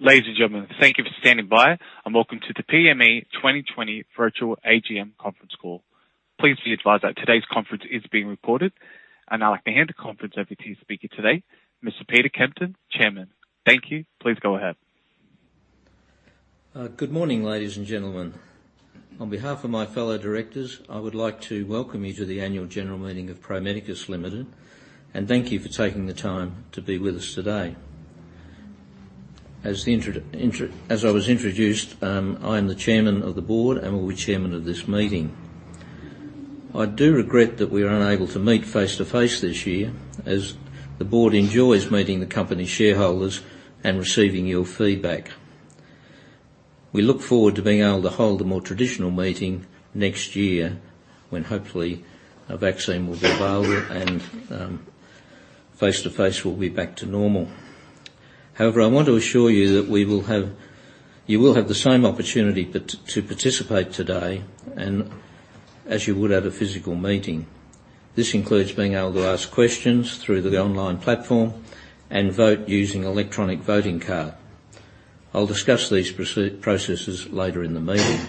Ladies and gentlemen, thank you for standing by, and welcome to the PME 2020 Virtual AGM Conference Call. Please be advised that today's conference is being recorded, and I'd like to hand the conference over to your speaker today, Mr. Peter Kempen, Chairman. Thank you. Please go ahead. Good morning, ladies and gentlemen. On behalf of my fellow directors, I would like to welcome you to the Annual General Meeting of Pro Medicus Limited, and thank you for taking the time to be with us today. As I was introduced, I am the Chairman of the Board and will be Chairman of this meeting. I do regret that we are unable to meet face-to-face this year, as the Board enjoys meeting the company's shareholders and receiving your feedback. We look forward to being able to hold a more traditional meeting next year, when hopefully a vaccine will be available and, face-to-face will be back to normal. However, I want to assure you that you will have the same opportunity to participate today and, as you would at a physical meeting. This includes being able to ask questions through the online platform and vote using electronic voting card. I'll discuss these processes later in the meeting.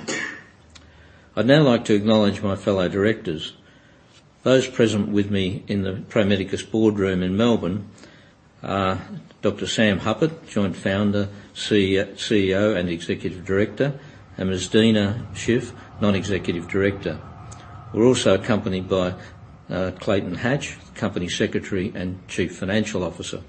I'd now like to acknowledge my fellow Directors. Those present with me in the Pro Medicus Boardroom in Melbourne are Dr. Sam Hupert, Joint Founder, CEO, CEO, and Executive Director, and Ms. Deena Shiff, Non-Executive Director. We're also accompanied by Clayton Hatch, Company Secretary and CFO.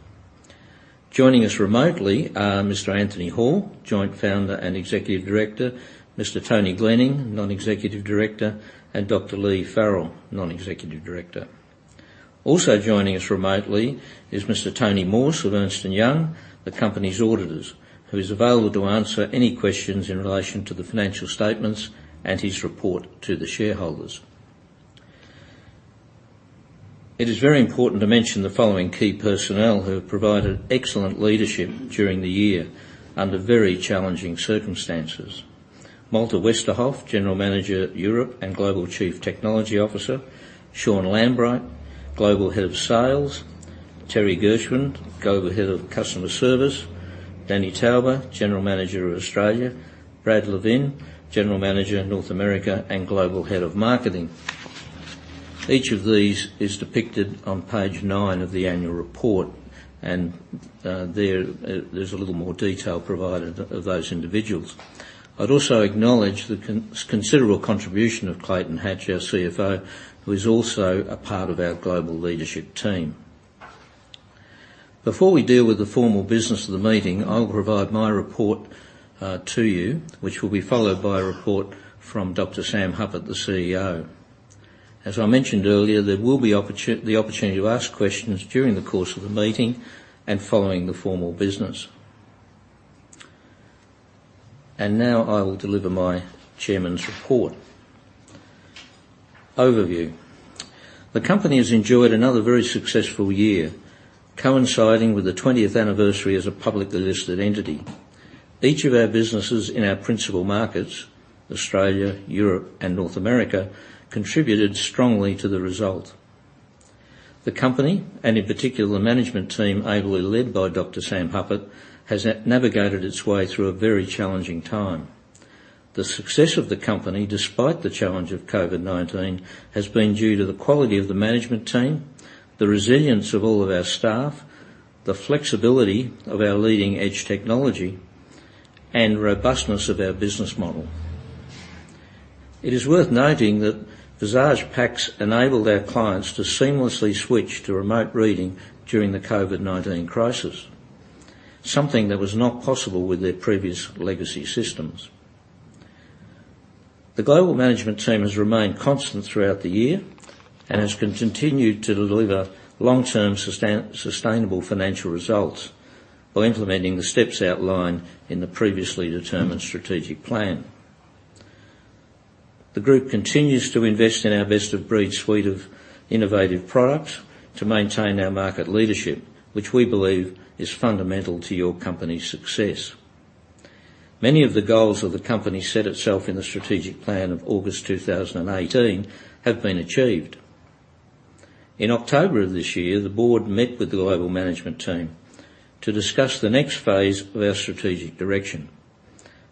Joining us remotely are Mr. Anthony Hall, Joint Founder and Executive Director, Mr. Tony Glenning, Non-Executive Director, and Dr. Leigh Farrell, Non-Executive Director. Also joining us remotely is Mr. Tony Morse of Ernst & Young, the company's auditors, who is available to answer any questions in relation to the financial statements and his report to the shareholders. It is very important to mention the following key personnel, who have provided excellent leadership during the year under very challenging circumstances. Malte Westerhoff, General Manager, Europe and Global Chief Technology Officer. Sean Lambright, Global Head of Sales. Terry Gschwind, Global Head of Customer Service. Danny Tauber, General Manager of Australia. Brad Levin, General Manager, North America and Global Head of Marketing. Each of these is depicted on Page nine of the annual report, and there, there's a little more detail provided of those individuals. I'd also acknowledge the considerable contribution of Clayton Hatch, our CFO, who is also a part of our global leadership team. Before we deal with the formal business of the meeting, I will provide my report, to you, which will be followed by a report from Dr. Sam Hupert, the CEO. As I mentioned earlier, there will be the opportunity to ask questions during the course of the meeting and following the formal business. Now, I will deliver my Chairman's report. Overview. The company has enjoyed another very successful year, coinciding with the 20th anniversary as a publicly listed entity. Each of our businesses in our principal markets, Australia, Europe, and North America, contributed strongly to the result. The company, and in particular, the management team, ably led by Dr. Sam Hupert, has navigated its way through a very challenging time. The success of the company, despite the challenge of COVID-19, has been due to the quality of the management team, the resilience of all of our staff, the flexibility of our leading-edge technology, and robustness of our business model. It is worth noting that Visage PACS enabled our clients to seamlessly switch to remote reading during the COVID-19 crisis, something that was not possible with their previous legacy systems. The global management team has remained constant throughout the year and has continued to deliver long-term sustainable financial results by implementing the steps outlined in the previously determined strategic plan. The group continues to invest in our best-of-breed suite of innovative products to maintain our market leadership, which we believe is fundamental to your company's success. Many of the goals of the company set itself in the strategic plan of August 2018 have been achieved. In October of this year, the Board met with the Global management team to discuss the next phase of our strategic direction.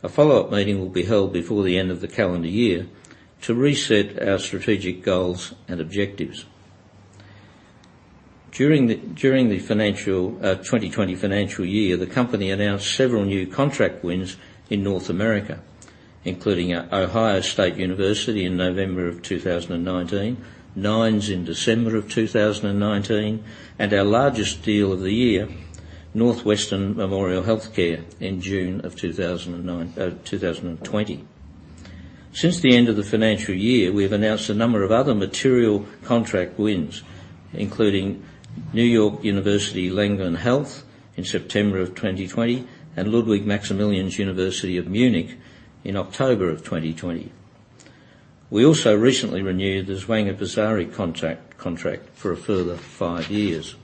A follow-up meeting will be held before the end of the calendar year to reset our strategic goals and objectives. During the 2020 financial year, the company announced several new contract wins in North America, including Ohio State University in November 2019, Nines in December 2019, and our largest deal of the year, Northwestern Memorial HealthCare in June 2020. Since the end of the financial year, we have announced a number of other material contract wins, including New York University Langone Health in September 2020, and Ludwig Maximilian University of Munich in October 2020. We also recently renewed the Zwanger-Pesiri contract for a further five years.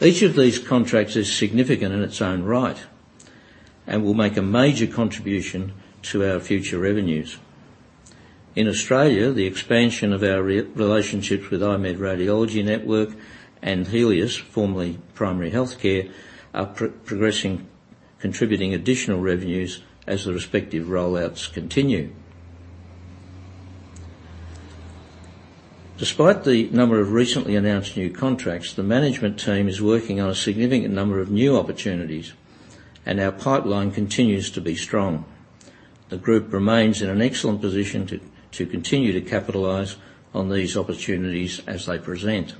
Each of these contracts is significant in its own right and will make a major contribution to our future revenues. In Australia, the expansion of our relationships with I-MED Radiology Network and Healius, formerly Primary Health Care, are progressing, contributing additional revenues as the respective rollouts continue. Despite the number of recently announced new contracts, the management team is working on a significant number of new opportunities, and our pipeline continues to be strong. The group remains in an excellent position to continue to capitalize on these opportunities as they present.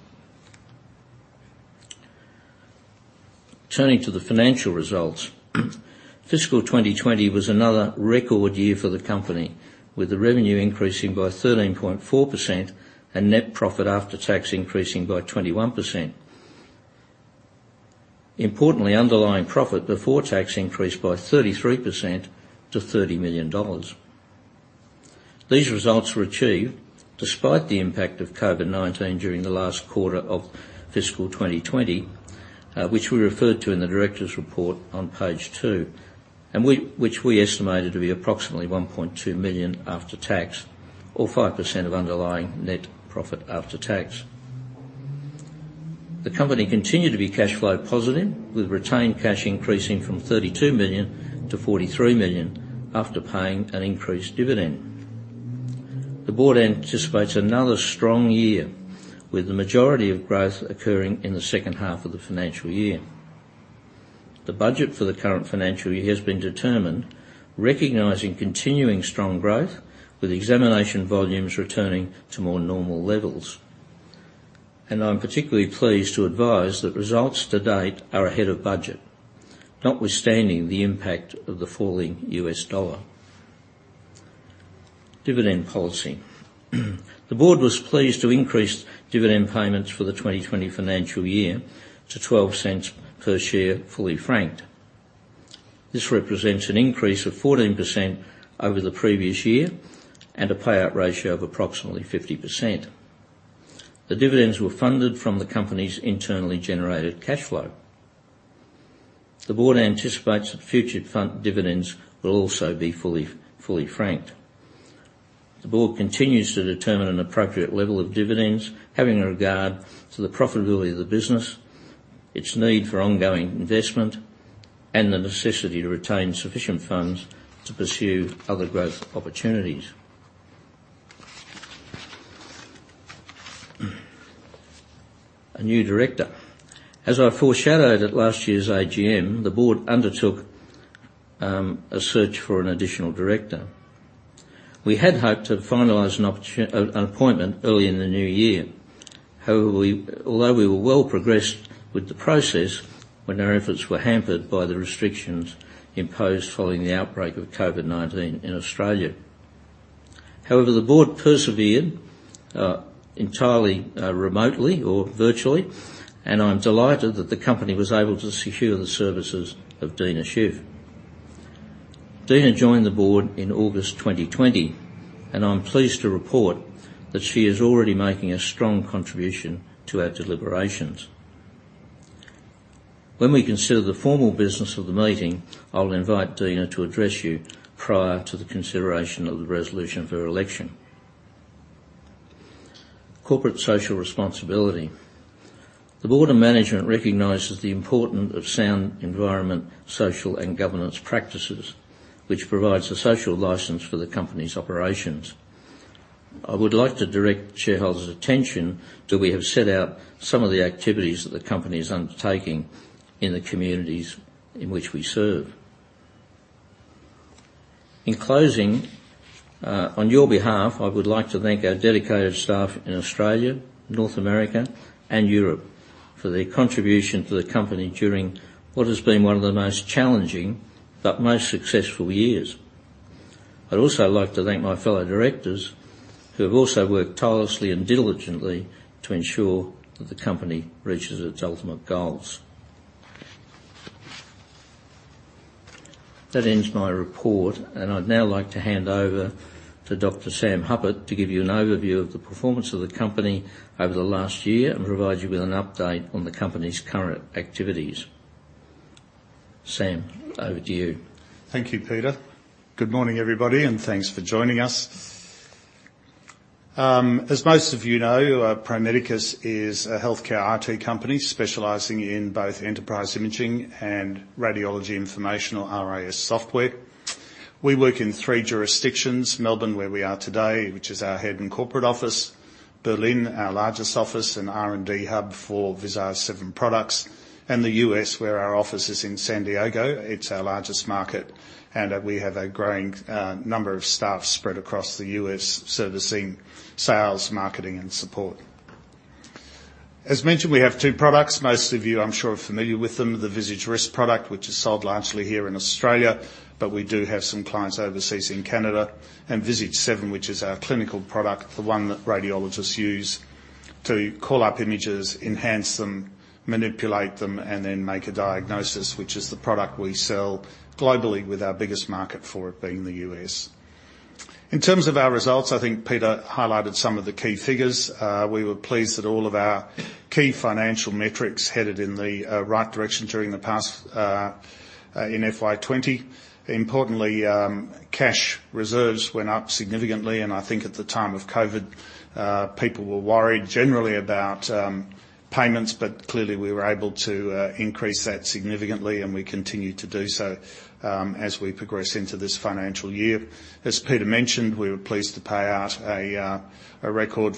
Turning to the financial results, fiscal 2020 was another record year for the company, with the revenue increasing by 13.4% and net profit after tax increasing by 21%. Importantly, underlying profit before tax increased by 33% to 30 million dollars. These results were achieved despite the impact of COVID-19 during the last quarter of fiscal 2020, which we referred to in the Directors' Report on Page two, which we estimated to be approximately 1.2 million after tax, or 5% of underlying net profit after tax. The company continued to be cash flow positive, with retained cash increasing from 32 million-43 million after paying an increased dividend. The Board anticipates another strong year, with the majority of growth occurring in the second half of the financial year. The budget for the current financial year has been determined, recognizing continuing strong growth, with examination volumes returning to more normal levels. I'm particularly pleased to advise that results to date are ahead of budget, notwithstanding the impact of the falling U.S. dollar. Dividend policy, the Board was pleased to increase dividend payments for the 2020 financial year to 0.12 per share, fully franked. This represents an increase of 14% over the previous year and a payout ratio of approximately 50%. The dividends were funded from the company's internally generated cash flow. The Board anticipates that future fund dividends will also be fully franked. The Board continues to determine an appropriate level of dividends, having regard to the profitability of the business, its need for ongoing investment, and the necessity to retain sufficient funds to pursue other growth opportunities. A new director. As I foreshadowed at last year's AGM, the Board undertook a search for an additional director. We had hoped to finalize an appointment early in the new year. Although we were well progressed with the process, when our efforts were hampered by the restrictions imposed following the outbreak of COVID-19 in Australia. However, the Board persevered entirely remotely or virtually, and I'm delighted that the company was able to secure the services of Deena Shiff. Deena joined the Board in August 2020, and I'm pleased to report that she is already making a strong contribution to our deliberations. When we consider the formal business of the meeting, I'll invite Deena to address you prior to the consideration of the resolution for election. Corporate social responsibility. The Board of Management recognizes the importance of sound environment, social, and governance practices, which provides a social license for the company's operations. I would like to direct shareholders' attention that we have set out some of the activities that the company is undertaking in the communities in which we serve. In closing, on your behalf, I would like to thank our dedicated staff in Australia, North America, and Europe for their contribution to the company during what has been one of the most challenging but most successful years. I'd also like to thank my fellow directors, who have also worked tirelessly and diligently to ensure that the company reaches its ultimate goals. That ends my report, and I'd now like to hand over to Dr. Sam Hupert to give you an overview of the performance of the company over the last year and provide you with an update on the company's current activities. Sam, over to you. Thank you, Peter. Good morning, everybody, and thanks for joining us. As most of you know, Pro Medicus is a Healthcare IT company specializing in both enterprise imaging and radiology information, or RIS, software. We work in three jurisdictions: Melbourne, where we are today, which is our Head and Corporate office; Berlin, our largest office and R&D hub for Visage 7 products; and the U.S., where our office is in San Diego. It's our largest market, and we have a growing number of staff spread across the U.S., servicing sales, marketing, and support. As mentioned, we have two products. Most of you, I'm sure, are familiar with them, the Visage RIS product, which is sold largely here in Australia, but we do have some clients overseas in Canada, and Visage 7, which is our clinical product, the one that radiologists use to call up images, enhance them, manipulate them, and then make a diagnosis, which is the product we sell globally, with our biggest market for it being the U.S. In terms of our results, I think Peter highlighted some of the key figures. We were pleased that all of our key financial metrics headed in the right direction during the past in FY 2020. Importantly, cash reserves went up significantly, and I think at the time of COVID, people were worried generally about payments, but clearly, we were able to increase that significantly, and we continue to do so as we progress into this financial year. As Peter mentioned, we were pleased to pay out a record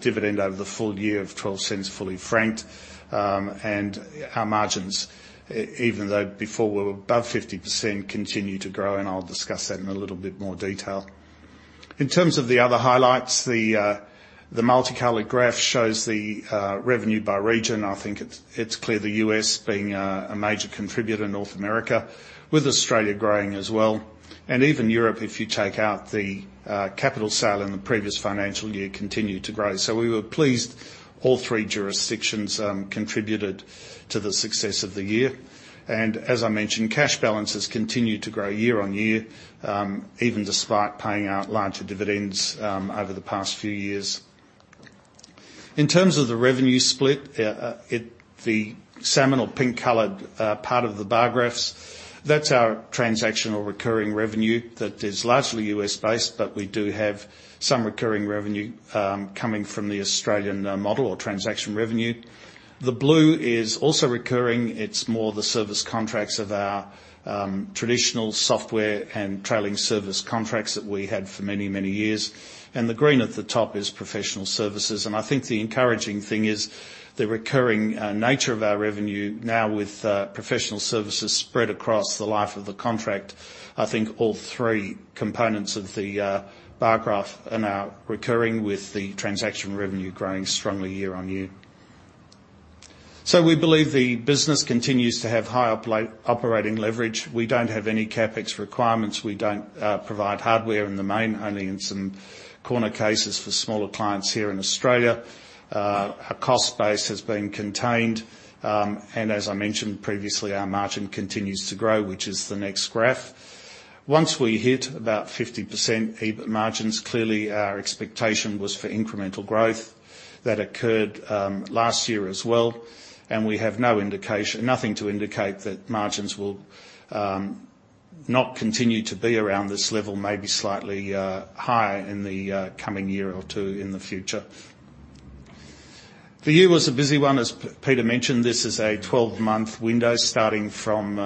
dividend over the full year of 0.12, fully franked and our margins, even though before were above 50%, continue to grow, and I'll discuss that in a little bit more detail. In terms of the other highlights, the multicolored graph shows the revenue by region. I think it's clear the U.S. being a major contributor, North America, with Australia growing as well. Even Europe, if you take out the capital sale in the previous financial year, continued to grow. So we were pleased all three jurisdictions contributed to the success of the year and as I mentioned, cash balances continued to grow year-on-year, even despite paying out larger dividends, over the past few years. In terms of the revenue split, the salmon or pink-colored part of the bar graphs, that's our transactional recurring revenue. That is largely U.S.-based, but we do have some recurring revenue, coming from the Australian model or transaction revenue. The blue is also recurring. It's more the service contracts of our, traditional software and trailing service contracts that we had for many, many years and the green at the top is professional services. I think the encouraging thing is the recurring nature of our revenue now with professional services spread across the life of the contract. I think all three components of the bar graph are now recurring, with the transaction revenue growing strongly year-over-year. So we believe the business continues to have high operating leverage. We don't have any CapEx requirements. We don't provide hardware in the main, only in some corner cases for smaller clients here in Australia. Our cost base has been contained, and as I mentioned previously, our margin continues to grow, which is the next graph. Once we hit about 50% EBIT margins, clearly our expectation was for incremental growth. That occurred last year as well, and we have no indication, nothing to indicate that margins will not continue to be around this level, maybe slightly higher in the coming year or two in the future. The year was a busy one, as Peter mentioned, this is a 12-month window starting from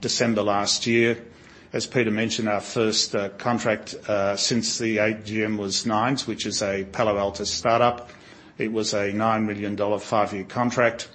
December last year. As Peter mentioned, our first contract since the AGM was Nines, which is a Palo Alto start-up. It was a $9 million, five-year contract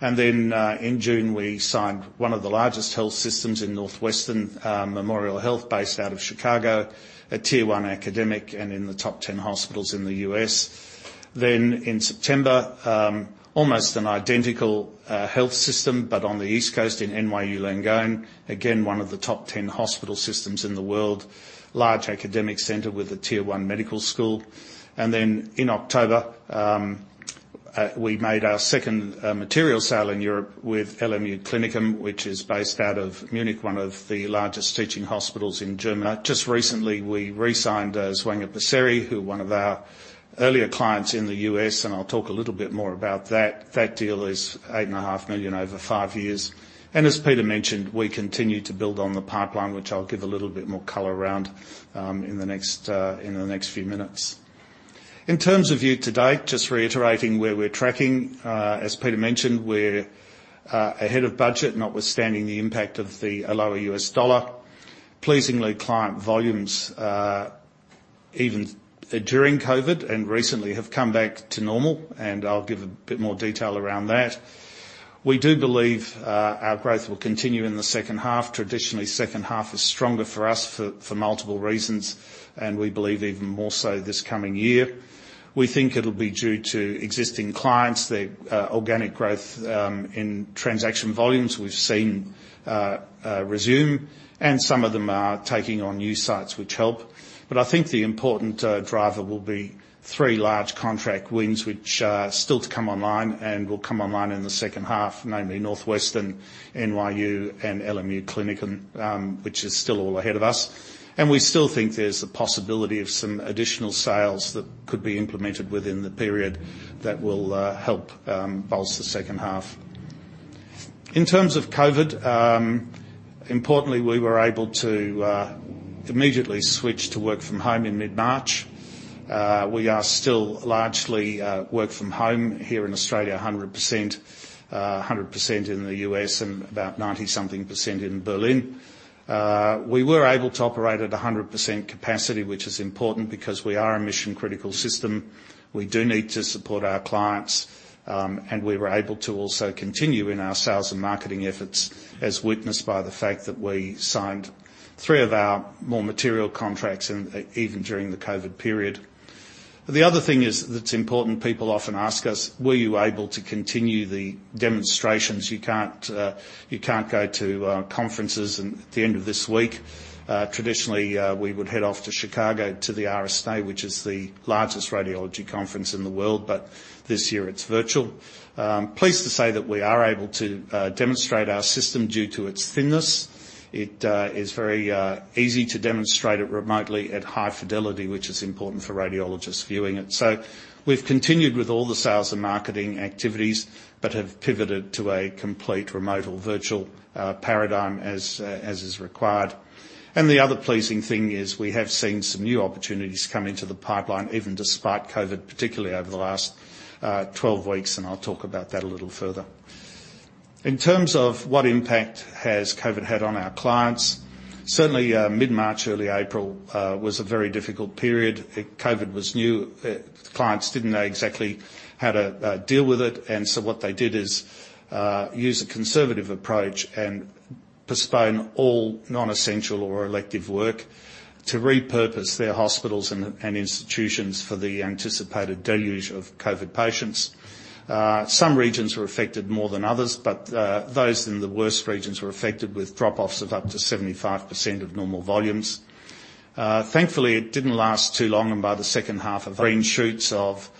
and then in June, we signed one of the largest health systems in Northwestern Memorial Health, based out of Chicago, a Tier 1 academic and in the top 10 hospitals in the U.S. Then in September, almost an identical health system, but on the East Coast in NYU Langone, again, one of the top 10 hospital systems in the world, large academic center with a Tier 1 medical school. Then in October, we made our second material sale in Europe with LMU Klinikum, which is based out of Munich, one of the largest teaching hospitals in Germany. Just recently, we re-signed, Zwanger-Pesiri, who, one of our earlier clients in the U.S., and I'll talk a little bit more about that. That deal is $8.5 million over five years and as Peter mentioned, we continue to build on the pipeline, which I'll give a little bit more color around, in the next few minutes. In terms of year-to-date, just reiterating where we're tracking, as Peter mentioned, we're ahead of budget, notwithstanding the impact of the lower U.S. dollar. Pleasingly, client volumes, even during COVID and recently, have come back to normal, and I'll give a bit more detail around that. We do believe, our growth will continue in the second half. Traditionally, second half is stronger for us for multiple reasons, and we believe even more so this coming year. We think it'll be due to existing clients, the, organic growth, in transaction volumes we've seen, resume, and some of them are taking on new sites which help. But I think the important, driver will be three large contract wins, which are still to come online and will come online in the second half, namely Northwestern, NYU, and LMU Klinikum, which is still all ahead of us. We still think there's a possibility of some additional sales that could be implemented within the period that will, help, bolster the second half. In terms of COVID, importantly, we were able to, immediately switch to work from home in mid-March. We are still largely, work from home here in Australia, 100%, 100% in the U.S., and about 90-something percent in Berlin. We were able to operate at 100% capacity, which is important because we are a mission-critical system. We do need to support our clients, and we were able to also continue in our sales and marketing efforts, as witnessed by the fact that we signed three of our more material contracts, and even during the COVID period. The other thing is, that's important, people often ask us: "Were you able to continue the demonstrations? You can't, you can't go to conferences." And at the end of this week, traditionally, we would head off to Chicago to the RSNA, which is the largest radiology conference in the world, but this year it's virtual. Pleased to say that we are able to demonstrate our system due to its thinness.... It is very easy to demonstrate it remotely at high fidelity, which is important for radiologists viewing it. So we've continued with all the sales and marketing activities, but have pivoted to a complete remote or virtual paradigm, as is required. The other pleasing thing is, we have seen some new opportunities come into the pipeline, even despite COVID, particularly over the last 12 weeks, and I'll talk about that a little further. In terms of what impact has COVID had on our clients, certainly mid-March, early April was a very difficult period. COVID was new, clients didn't know exactly how to deal with it, and so what they did is use a conservative approach and postpone all non-essential or elective work to repurpose their hospitals and institutions for the anticipated deluge of COVID patients. Some regions were affected more than others, but those in the worst regions were affected with drop-offs of up to 75% of normal volumes. Thankfully, it didn't last too long, and by the second half green shoots of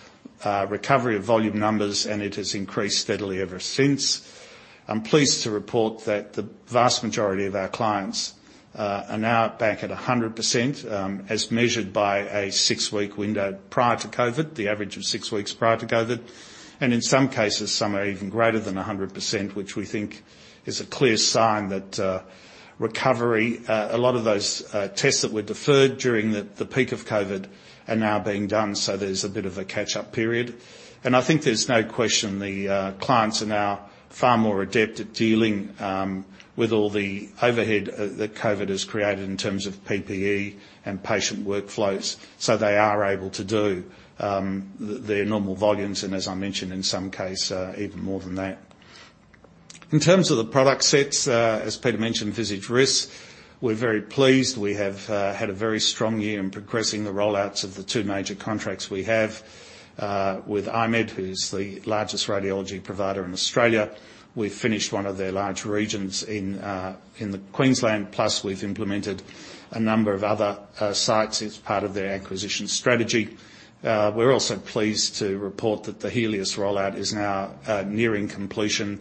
recovery of volume numbers, and it has increased steadily ever since. I'm pleased to report that the vast majority of our clients are now back at 100%, as measured by a six-week window prior to COVID, the average of six weeks prior to COVID. And in some cases, some are even greater than 100%, which we think is a clear sign that recovery—a lot of those tests that were deferred during the peak of COVID are now being done, so there's a bit of a catch-up period. I think there's no question the clients are now far more adept at dealing with all the overhead that COVID has created in terms of PPE and patient workflows, so they are able to do their normal volumes, and as I mentioned, in some case even more than that. In terms of the product sets, as Peter mentioned, Visage RIS, we're very pleased. We have had a very strong year in progressing the rollouts of the two major contracts we have with I-MED, who's the largest radiology provider in Australia. We've finished one of their large regions in Queensland, plus we've implemented a number of other sites as part of their acquisition strategy. We're also pleased to report that the Healius rollout is now nearing completion.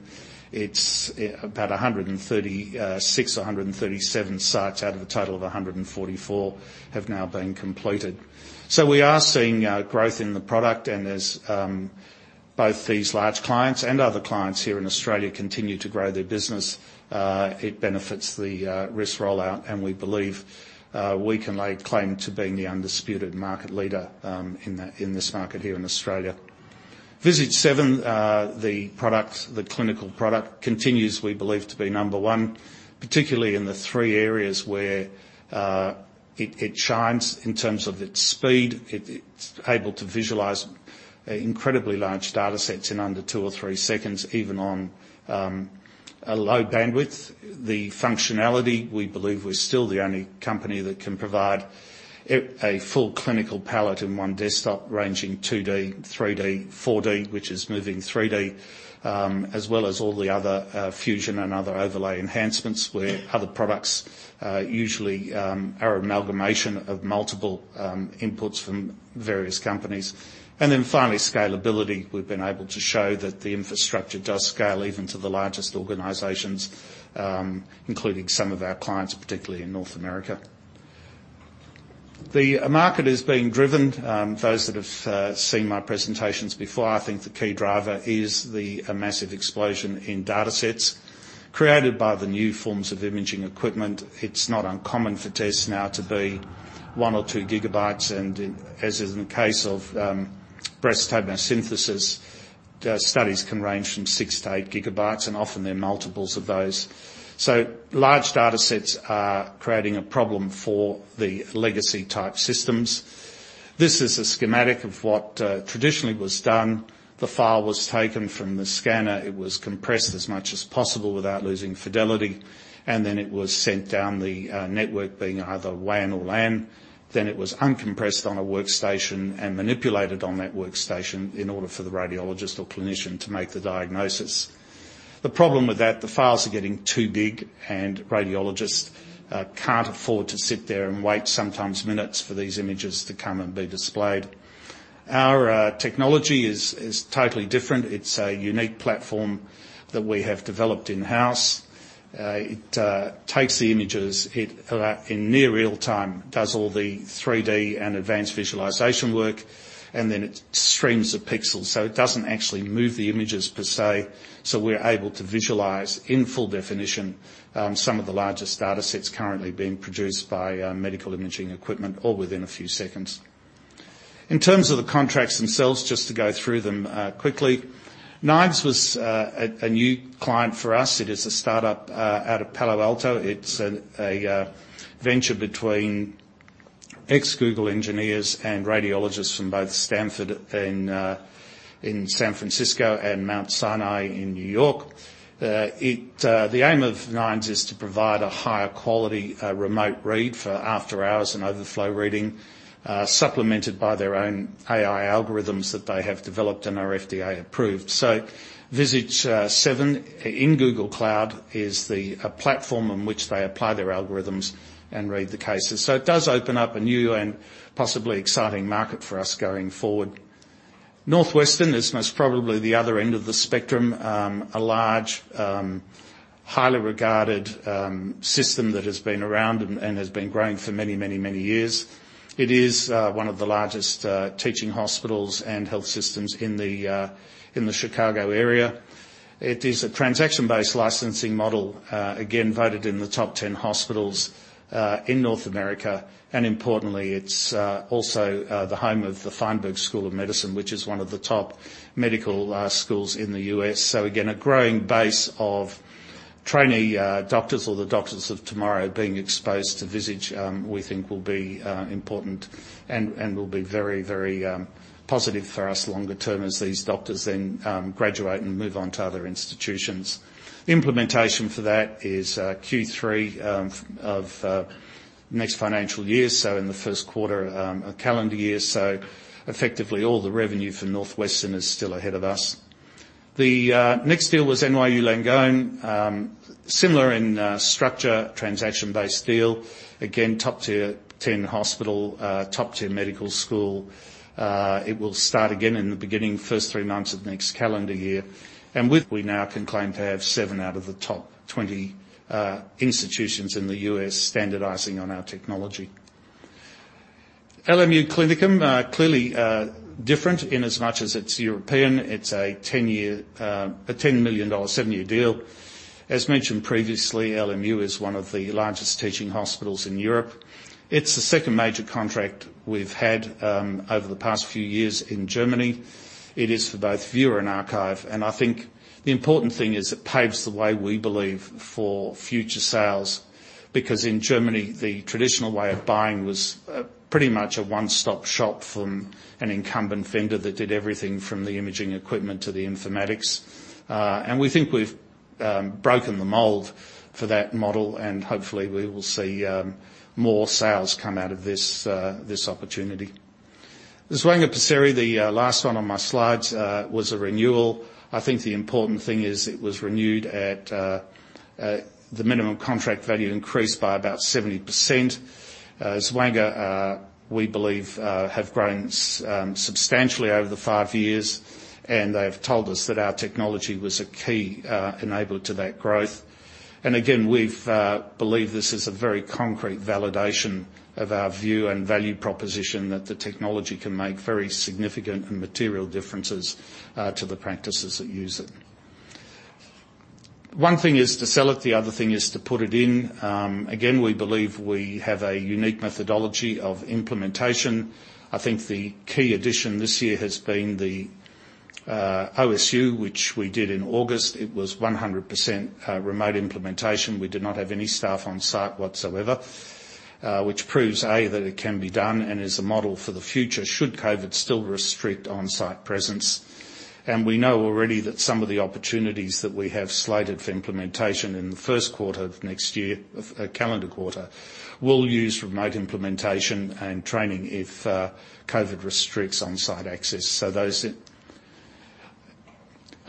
It's about 136 or 137 sites out of a total of 144 have now been completed. So we are seeing growth in the product, and as both these large clients and other clients here in Australia continue to grow their business, it benefits the RIS rollout, and we believe we can lay claim to being the undisputed market leader in this market here in Australia. Visage 7, the product, the clinical product, continues, we believe, to be number one, particularly in the three areas where it shines in terms of its speed. It's able to visualize incredibly large datasets in under 2 or 3 seconds, even on a low bandwidth. The functionality, we believe, we're still the only company that can provide a full clinical palette in one desktop, ranging 2D, 3D, 4D, which is moving 3D, as well as all the other fusion and other overlay enhancements where other products usually are an amalgamation of multiple inputs from various companies. Then finally, scalability. We've been able to show that the infrastructure does scale even to the largest organizations, including some of our clients, particularly in North America. The market is being driven. Those that have seen my presentations before, I think the key driver is the a massive explosion in datasets created by the new forms of imaging equipment. It's not uncommon for tests now to be 1 or 2 GB, and, as is in the case of breast tomosynthesis, the studies can range from 6-8 GB, and often they're multiples of those. So large datasets are creating a problem for the legacy-type systems. This is a schematic of what traditionally was done. The file was taken from the scanner, it was compressed as much as possible without losing fidelity, and then it was sent down the network, being either WAN or LAN. Then it was uncompressed on a workstation and manipulated on that workstation in order for the radiologist or clinician to make the diagnosis. The problem with that, the files are getting too big, and radiologists can't afford to sit there and wait, sometimes minutes, for these images to come and be displayed. Our technology is totally different. It's a unique platform that we have developed in-house. It takes the images, it in near real time, does all the 3D and advanced visualization work, and then it streams the pixels, so it doesn't actually move the images per se, so we're able to visualize, in full definition, some of the largest datasets currently being produced by medical imaging equipment, all within a few seconds. In terms of the contracts themselves, just to go through them quickly, Nines was a new client for us, it is a startup out of Palo Alto. It's a venture between ex-Google engineers and radiologists from both Stanford in San Francisco and Mount Sinai in New York. The aim of Nines is to provide a higher quality, remote read for after-hours and overflow reading, supplemented by their own AI algorithms that they have developed and are FDA approved. So Visage 7, in Google Cloud, is the platform on which they apply their algorithms and read the cases. So it does open up a new and possibly exciting market for us going forward. Northwestern is most probably the other end of the spectrum. A large, highly regarded system that has been around and has been growing for many, many, many years. It is one of the largest teaching hospitals and health systems in the Chicago area. It is a transaction-based licensing model, again, voted in the top 10 hospitals, in North America, and importantly, it's also the home of the Feinberg School of Medicine, which is one of the top medical schools in the U.S. So again, a growing base of trainee doctors or the doctors of tomorrow being exposed to Visage, we think will be important and will be very, very positive for us longer term as these doctors then graduate and move on to other institutions. Implementation for that is Q3 of next financial year, so in the first quarter of calendar year. So effectively, all the revenue from Northwestern is still ahead of us. The next deal was NYU Langone. Similar in structure, transaction-based deal. Again, top-tier 10 hospital, top-tier medical school. It will start again in the beginning, first three months of next calendar year. And with we now can claim to have seven out of the top 20, institutions in the U.S. standardizing on our technology. LMU Klinikum, clearly, different in as much as it's European. It's a 10-year, $10 million, 7-year deal. As mentioned previously, LMU is one of the largest teaching hospitals in Europe. It's the second major contract we've had, over the past few years in Germany. It is for both viewer and archive, and I think the important thing is it paves the way, we believe, for future sales, because in Germany, the traditional way of buying was, pretty much a one-stop shop from an incumbent vendor that did everything from the imaging equipment to the informatics. We think we've broken the mold for that model, and hopefully we will see more sales come out of this opportunity. Zwanger-Pesiri, the last one on my slides, was a renewal. I think the important thing is it was renewed at the minimum contract value increased by about 70%. Zwanger-Pesiri, we believe, have grown substantially over the five years, and they've told us that our technology was a key enabler to that growth. Again, we've believed this is a very concrete validation of our view and value proposition, that the technology can make very significant and material differences to the practices that use it. One thing is to sell it, the other thing is to put it in. Again, we believe we have a unique methodology of implementation. I think the key addition this year has been the OSU, which we did in August. It was 100% remote implementation. We did not have any staff on site whatsoever, which proves, A, that it can be done and is a model for the future, should COVID still restrict on-site presence. We know already that some of the opportunities that we have slated for implementation in the first quarter of next year, calendar quarter, will use remote implementation and training if COVID restricts on-site access, so those...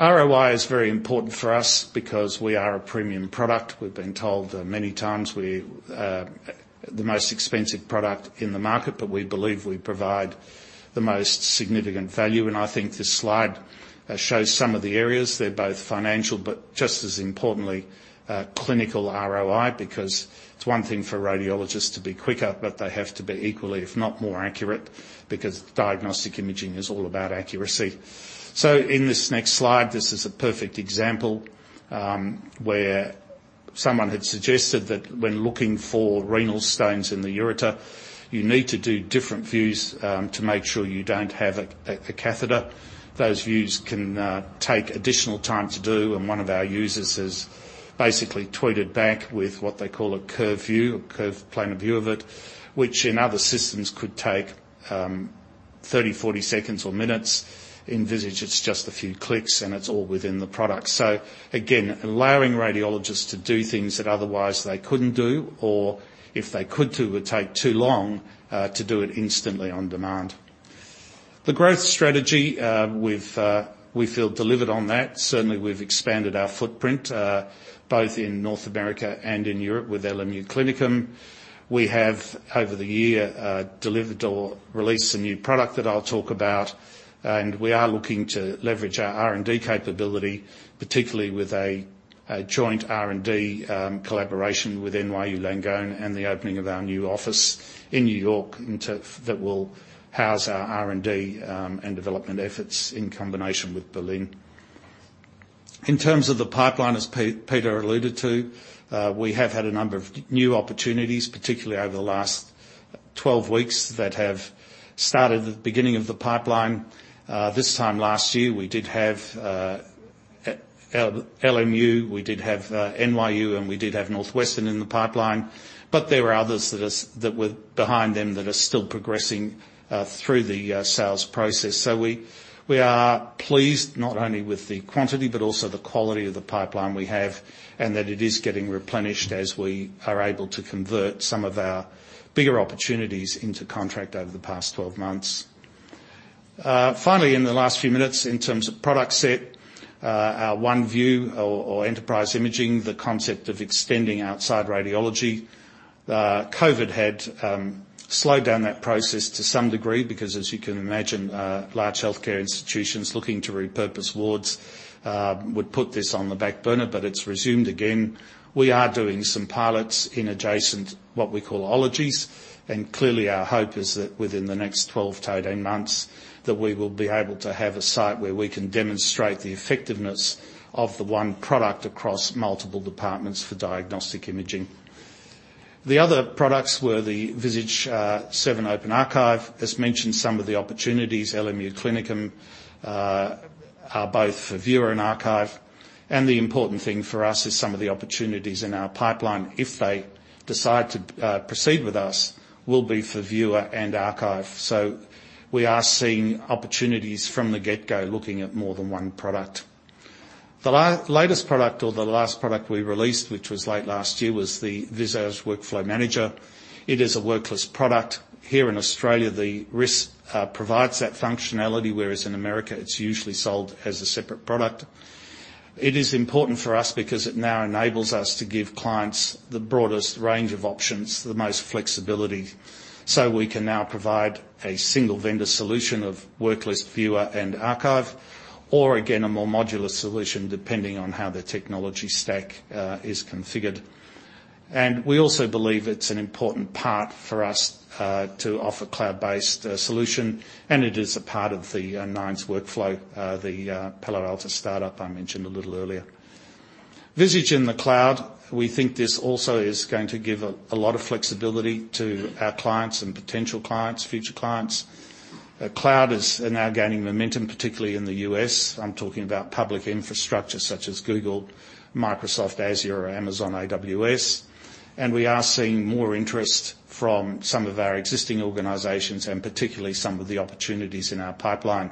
ROI is very important for us because we are a premium product. We've been told many times we are the most expensive product in the market, but we believe we provide the most significant value, and I think this slide shows some of the areas. They're both financial, but just as importantly, clinical ROI, because it's one thing for radiologists to be quicker, but they have to be equally, if not more, accurate, because diagnostic imaging is all about accuracy. So in this next slide, this is a perfect example, where someone had suggested that when looking for renal stones in the ureter, you need to do different views, to make sure you don't have a catheter. Those views can take additional time to do, and one of our users has basically tweeted back with what they call a curve view, a curved planar view of it, which in other systems could take 30, 40 seconds or minutes. In Visage, it's just a few clicks, and it's all within the product. So again, allowing radiologists to do things that otherwise they couldn't do, or if they could do, would take too long, to do it instantly on demand. The growth strategy, we've, we feel delivered on that. Certainly, we've expanded our footprint, both in North America and in Europe with LMU Klinikum. We have, over the year, delivered or released a new product that I'll talk about, and we are looking to leverage our R&D capability, particularly with a, a joint R&D, collaboration with NYU Langone and the opening of our new office in New York, into that will house our R&D, and development efforts in combination with Berlin. In terms of the pipeline, as Peter alluded to, we have had a number of new opportunities, particularly over the last 12 weeks, that have started at the beginning of the pipeline. This time last year, we did have LMU, we did have NYU, and we did have Northwestern in the pipeline, but there were others that were behind them, that are still progressing through the sales process. So we are pleased not only with the quantity but also the quality of the pipeline we have, and that it is getting replenished as we are able to convert some of our bigger opportunities into contract over the past 12 months. Finally, in the last few minutes, in terms of product set, our One View or enterprise imaging, the concept of extending outside radiology. COVID had slowed down that process to some degree, because as you can imagine, large healthcare institutions looking to repurpose wards would put this on the back burner, but it's resumed again. We are doing some pilots in adjacent, what we call ologies. Clearly, our hope is that within the next 12-18 months, that we will be able to have a site where we can demonstrate the effectiveness of the one product across multiple departments for diagnostic imaging. The other products were the Visage 7 Open Archive. As mentioned, some of the opportunities, LMU Klinikum, are both for Viewer and Archive, and the important thing for us is some of the opportunities in our pipeline, if they decide to proceed with us, will be for Viewer and Archive. So we are seeing opportunities from the get-go, looking at more than one product. The latest product, or the last product we released, which was late last year, was the Visage Workflow Manager. It is a worklist product. Here in Australia, the RIS provides that functionality, whereas in America, it's usually sold as a separate product. It is important for us because it now enables us to give clients the broadest range of options, the most flexibility, so we can now provide a single-vendor solution of worklist, viewer, and archive, or again, a more modular solution, depending on how the technology stack is configured. And we also believe it's an important part for us to offer cloud-based solution, and it is a part of the Nines Workflow, the Palo Alto startup I mentioned a little earlier. Visage in the cloud, we think this also is going to give a lot of flexibility to our clients, and potential clients, future clients. Cloud is now gaining momentum, particularly in the U.S. I'm talking about public infrastructure, such as Google, Microsoft Azure, or Amazon AWS. We are seeing more interest from some of our existing organizations, and particularly some of the opportunities in our pipeline,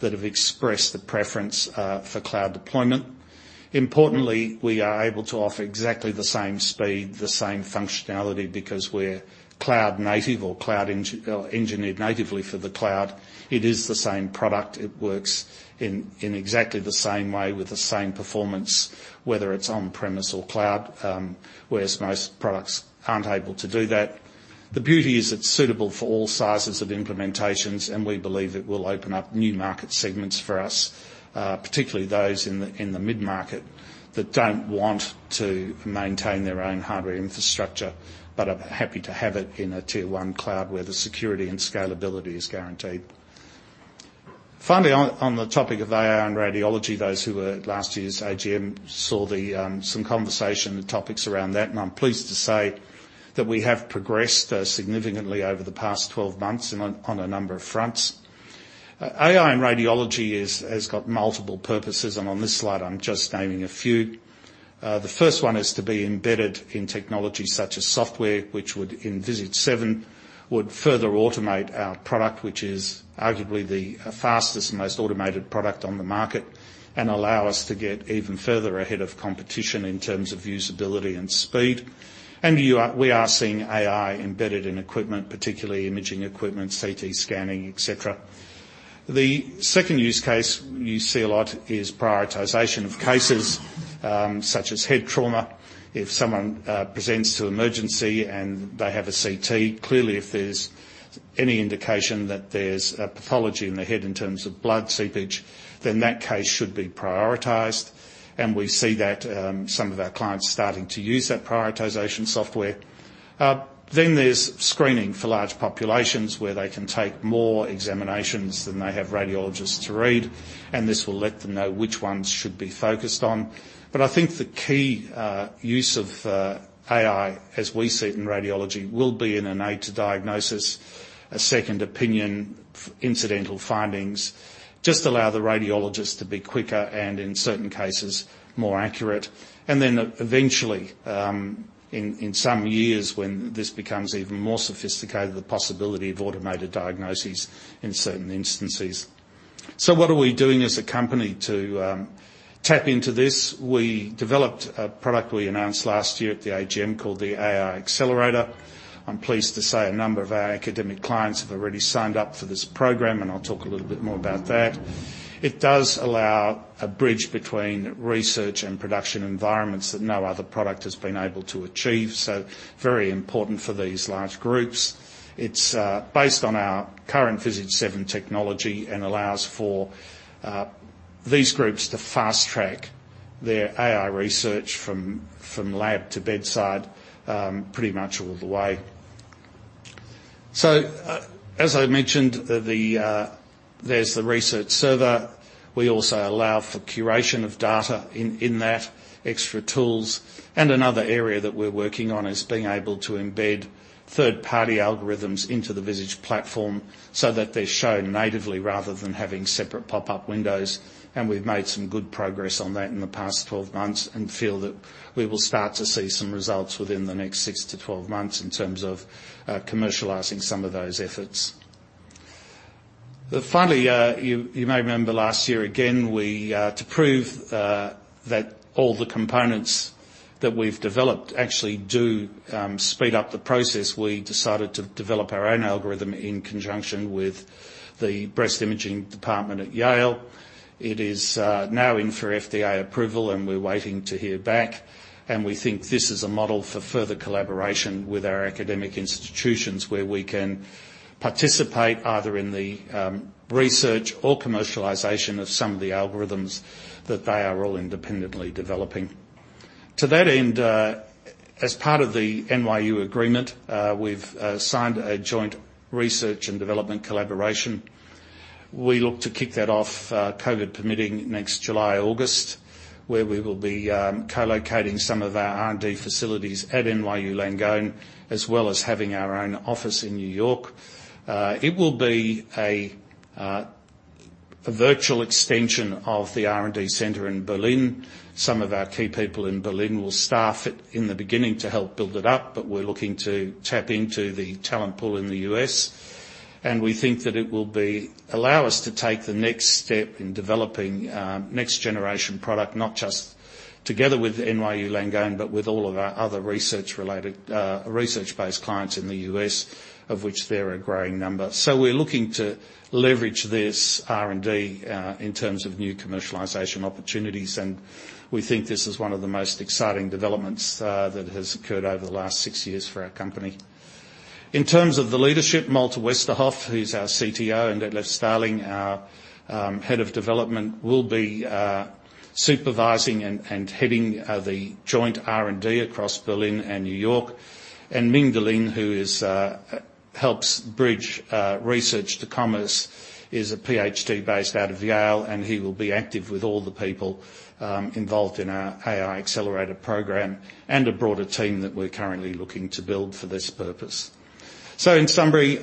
that have expressed the preference for cloud deployment. Importantly, we are able to offer exactly the same speed, the same functionality, because we're cloud native or cloud-engineered natively for the cloud. It is the same product. It works in exactly the same way, with the same performance, whether it's on-premise or cloud, whereas most products aren't able to do that. The beauty is, it's suitable for all sizes of implementations, and we believe it will open up new market segments for us, particularly those in the mid-market, that don't want to maintain their own hardware infrastructure, but are happy to have it in a Tier 1 cloud, where the security and scalability is guaranteed. Finally, on the topic of AI and radiology, those who were at last year's AGM saw some conversation and topics around that, and I'm pleased to say that we have progressed significantly over the past 12 months on a number of fronts. AI in radiology has got multiple purposes, and on this slide, I'm just naming a few. The first one is to be embedded in technology such as software, which would, in Visage 7, would further automate our product, which is arguably the fastest and most automated product on the market, and allow us to get even further ahead of competition in terms of usability and speed. We are, we are seeing AI embedded in equipment, particularly imaging equipment, CT scanning, etc. The second use case you see a lot is prioritization of cases, such as head trauma. If someone presents to emergency, and they have a CT, clearly, if there's any indication that there's a pathology in the head in terms of blood seepage, then that case should be prioritized, and we see that some of our clients starting to use that prioritization software. Then there's screening for large populations, where they can take more examinations than they have radiologists to read, and this will let them know which ones should be focused on. But I think the key use of AI, as we see it in radiology, will be in an aid to diagnosis, a second opinion, incidental findings, just allow the radiologist to be quicker and, in certain cases, more accurate. Then eventually, in some years, when this becomes even more sophisticated, the possibility of automated diagnoses in certain instances. So what are we doing as a company to tap into this? We developed a product we announced last year at the AGM called the AI Accelerator. I'm pleased to say a number of our academic clients have already signed up for this program, and I'll talk a little bit more about that. It does allow a bridge between research and production environments that no other product has been able to achieve, so very important for these large groups. It's based on our current Visage 7 technology, and allows for these groups to fast-track their AI research from lab to bedside, pretty much all the way. So, as I mentioned, there's the research server. We also allow for curation of data in that extra tools, and another area that we're working on is being able to embed third-party algorithms into the Visage platform, so that they're shown natively rather than having separate pop-up windows, and we've made some good progress on that in the past 12 months, and feel that we will start to see some results within the next six to 12 months in terms of commercializing some of those efforts. Finally, you may remember last year, again, to prove that all the components that we've developed actually do speed up the process, we decided to develop our own algorithm in conjunction with the breast imaging department at Yale. It is now in for FDA approval, and we're waiting to hear back. We think this is a model for further collaboration with our academic institutions, where we can participate either in the research or commercialization of some of the algorithms that they are all independently developing. To that end, as part of the NYU agreement, we've signed a joint research and development collaboration. We look to kick that off, COVID permitting, next July, August, where we will be co-locating some of our R&D facilities at NYU Langone, as well as having our own office in New York. It will be a virtual extension of the R&D center in Berlin. Some of our key people in Berlin will staff it in the beginning to help build it up, but we're looking to tap into the talent pool in the U.S., and we think that it will allow us to take the next step in developing next generation product, not just together with NYU Langone, but with all of our other research-related research-based clients in the U.S., of which there are a growing number. So we're looking to leverage this R&D, in terms of new commercialization opportunities, and we think this is one of the most exciting developments, that has occurred over the last six years for our company. In terms of the leadership, Malte Westerhoff, who's our CTO, and Detlev Stalling, our Head of Development, will be supervising and heading the joint R&D across Berlin and New York and MingDe Lin, who helps bridge research to commerce, is a PhD based out of Yale, and he will be active with all the people involved in our AI Accelerator program and a broader team that we're currently looking to build for this purpose. So in summary,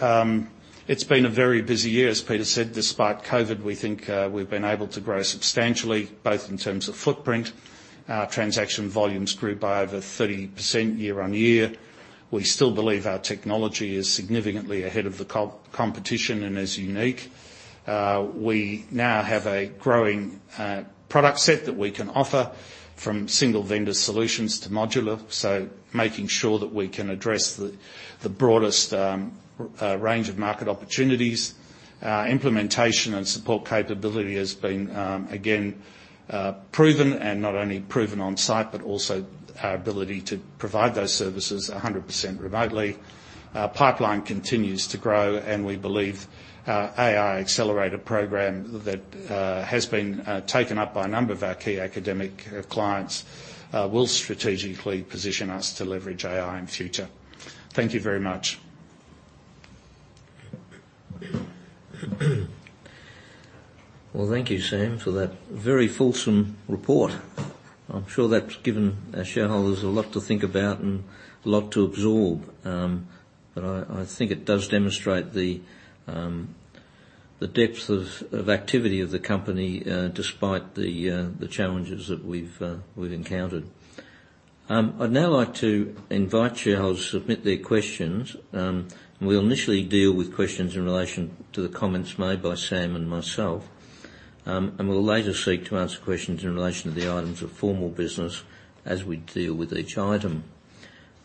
it's been a very busy year, as Peter said. Despite COVID, we think, we've been able to grow substantially, both in terms of footprint. Our transaction volumes grew by over 30% year-over-year. We still believe our technology is significantly ahead of the competition and is unique. We now have a growing product set that we can offer, from single-vendor solutions to modular, so making sure that we can address the broadest range of market opportunities. Our implementation and support capability has been again proven, and not only proven on site, but also our ability to provide those services 100% remotely. Our pipeline continues to grow, and we believe our AI Accelerator program that has been taken up by a number of our key academic clients will strategically position us to leverage AI in future. Thank you very much. Well, thank you, Sam, for that very fulsome report. I'm sure that's given our shareholders a lot to think about and a lot to absorb. But I think it does demonstrate the depth of activity of the company, despite the challenges that we've encountered. I'd now like to invite shareholders to submit their questions. We'll initially deal with questions in relation to the comments made by Sam and myself. We'll later seek to answer questions in relation to the items of formal business as we deal with each item.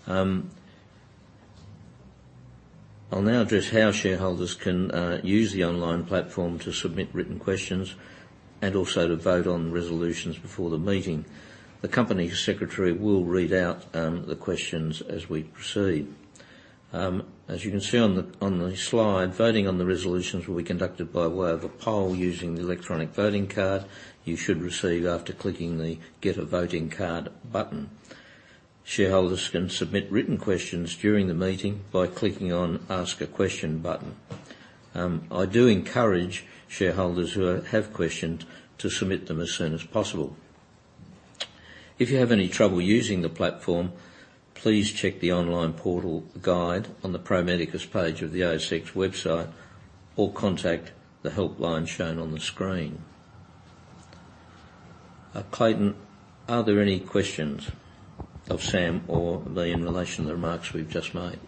I'll now address how shareholders can use the online platform to submit written questions, and also to vote on resolutions before the meeting. The Company Secretary will read out the questions as we proceed. As you can see on the slide, voting on the resolutions will be conducted by way of a poll using the electronic voting card you should receive after clicking the 'Get A Voting Card' button. Shareholders can submit written questions during the meeting by clicking on 'Ask a Question' button. I do encourage shareholders who have questions to submit them as soon as possible. If you have any trouble using the platform, please check the online portal guide on the Pro Medicus page of the ASX website, or contact the helpline shown on the screen. Clayton, are there any questions of Sam or me in relation to the remarks we've just made?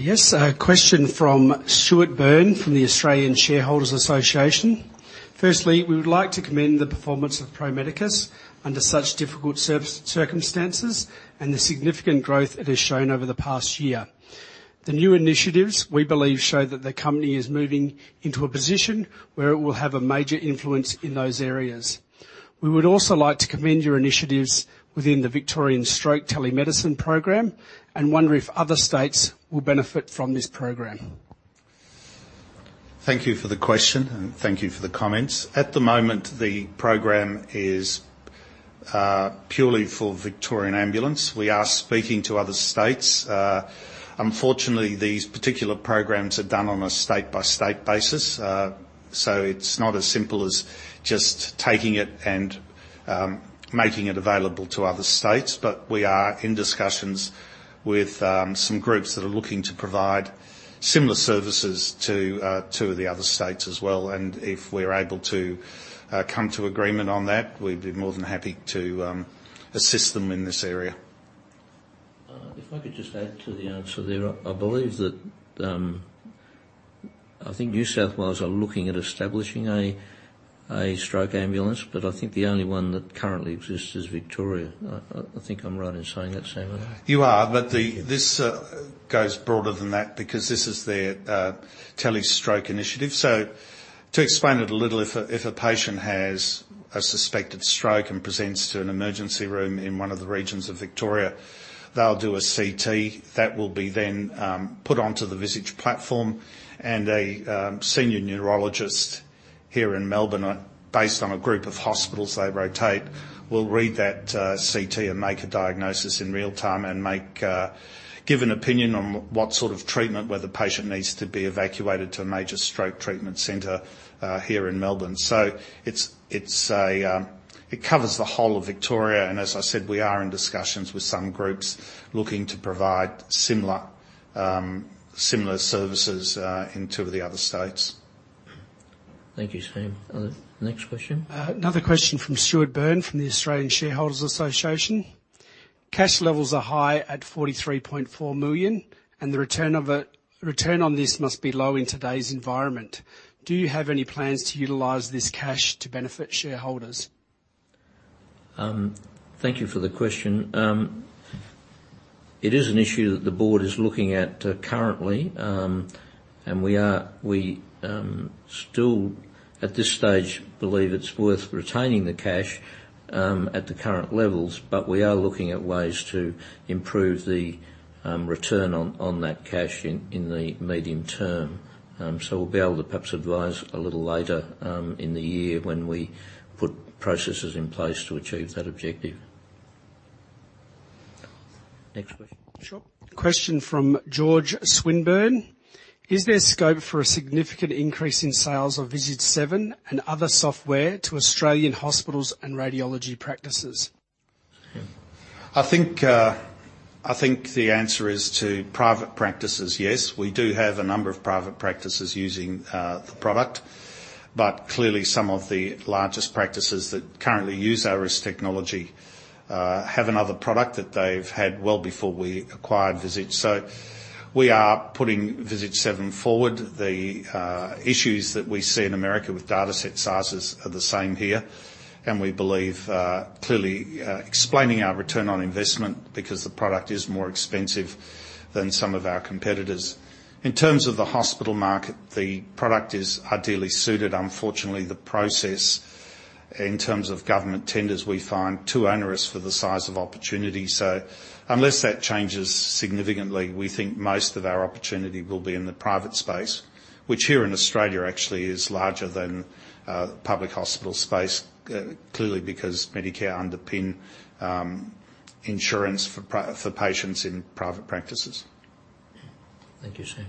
Yes. A question from Stewart Burn from the Australian Shareholders Association: "Firstly, we would like to commend the performance of Pro Medicus under such difficult circumstances and the significant growth it has shown over the past year. The new initiatives, we believe, show that the company is moving into a position where it will have a major influence in those areas. We would also like to commend your initiatives within the Victorian Stroke Telemedicine program, and wonder if other states will benefit from this program? Thank you for the question, and thank you for the comments. At the moment, the program is purely for Victorian Ambulance. We are speaking to other states. Unfortunately, these particular programs are done on a state-by-state basis, so it's not as simple as just taking it and making it available to other states, but we are in discussions with some groups that are looking to provide similar services to the other states as well, and if we're able to come to agreement on that, we'd be more than happy to assist them in this area. If I could just add to the answer there, I believe that I think New South Wales are looking at establishing a stroke ambulance, but I think the only one that currently exists is Victoria. I think I'm right in saying that, Sam? You are, but the, this, goes broader than that, because this is their telestroke initiative. So to explain it a little, if a patient has a suspected stroke and presents to an emergency room in one of the regions of Victoria, they'll do a CT. That will be then put onto the Visage platform, and a senior neurologist here in Melbourne, based on a group of hospitals they rotate, will read that CT and make a diagnosis in real time, and make give an opinion on what sort of treatment, whether the patient needs to be evacuated to a major stroke treatment center here in Melbourne. So it covers the whole of Victoria, and as I said, we are in discussions with some groups looking to provide similar services in two of the other states. Thank you, Sam. Next question. Another question from Stewart Burn, from the Australian Shareholders Association. "Cash levels are high at 43.4 million, and the return of it, return on this must be low in today's environment. Do you have any plans to utilize this cash to benefit shareholders? Thank you for the question. It is an issue that the Board is looking at currently and we still, at this stage, believe it's worth retaining the cash at the current levels, but we are looking at ways to improve the return on that cash in the medium term. So we'll be able to perhaps advise a little later in the year, when we put processes in place to achieve that objective. Next question. Sure. Question from George Swinburne: "Is there scope for a significant increase in sales of Visage 7 and other software to Australian hospitals and radiology practices? I think, I think the answer is, to private practices, yes. We do have a number of private practices using, the product, but clearly, some of the largest practices that currently use our RIS technology, have another product that they've had well before we acquired Visage. So we are putting Visage 7 forward. The issues that we see in America with dataset sizes are the same here, and we believe, clearly, explaining our return on investment, because the product is more expensive than some of our competitors. In terms of the hospital market, the product is ideally suited. Unfortunately, the process, in terms of government tenders, we find too onerous for the size of opportunity. So unless that changes significantly, we think most of our opportunity will be in the private space, which here in Australia actually is larger than the public hospital space, clearly, because Medicare underpins insurance for patients in private practices. Thank you, Sam.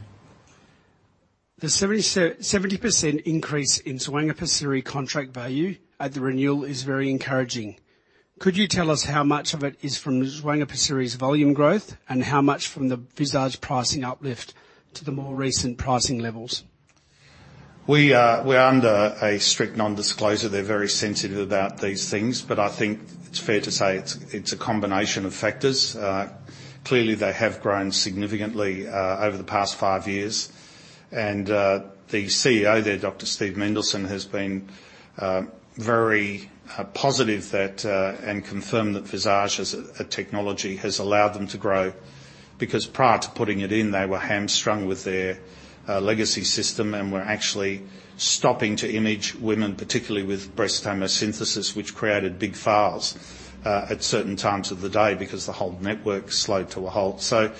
The 70% increase in Zwanger-Pesiri contract value at the renewal is very encouraging. Could you tell us how much of it is from Zwanger-Pesiri's volume growth, and how much from the Visage pricing uplift to the more recent pricing levels? We're under a strict non-disclosure. They're very sensitive about these things, but I think it's fair to say it's a combination of factors. Clearly, they have grown significantly over the pastfive years. The CEO there, Dr. Steve Mendelsohn, has been very positive that and confirmed that Visage as a technology has allowed them to grow. Because prior to putting it in, they were hamstrung with their legacy system, and were actually stopping to image women, particularly with breast tomosynthesis, which created big files at certain times of the day, because the whole network slowed to a halt. So